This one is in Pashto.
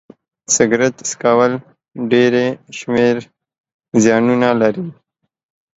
سيګرټ څکول ډيری شمېر زيانونه لري